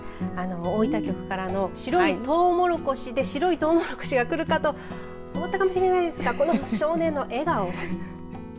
大分局からの白いトウモロコシで白いトウモロコシがくるかと思ったかもしれないんですがこの少年の笑顔。